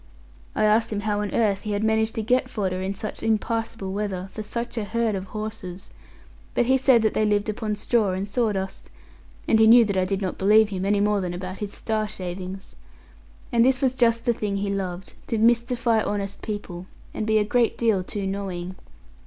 I asked him how on earth he had managed to get fodder, in such impassable weather, for such a herd of horses; but he said that they lived upon straw and sawdust; and he knew that I did not believe him, any more than about his star shavings. And this was just the thing he loved to mystify honest people, and be a great deal too knowing.